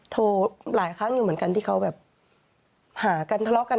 โทรหลายครั้งอยู่เหมือนกันที่เขาแบบหากันทะเลาะกัน